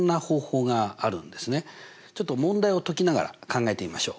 ちょっと問題を解きながら考えてみましょう。